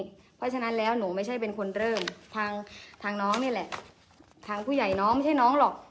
เพราะฉะนั้นแล้วหนูไม่ใช่เป็นคนเริ่มทางน้องนี่แหละทางผู้ใหญ่น้องไม่ใช่น้องหรอก